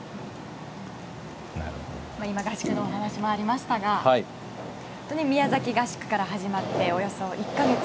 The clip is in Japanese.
今、合宿の話もありましたが宮崎合宿から始まっておよそ１か月。